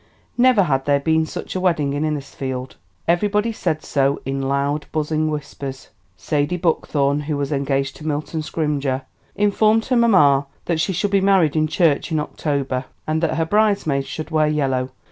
Never had there been such a wedding in Innisfield. Everybody said so in loud, buzzing whispers. Sadie Buckthorn, who was engaged to Milton Scrymger, informed her mamma that she should be married in church in October, and that her bridesmaids should wear yellow.